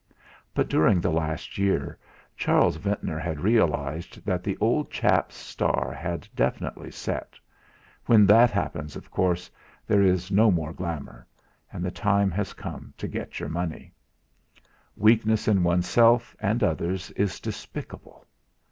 But during the last year Charles Ventnor had realised that the old chap's star had definitely set when that happens, of course, there is no more glamour, and the time has come to get your money. Weakness in oneself and others is despicable!